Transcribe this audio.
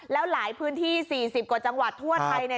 แล้วหลายพื้นที่๔๐กว่าจังหวัดทั่วไทยเนี่ย